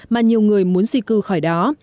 mà nhiều người muốn di cư khỏi đó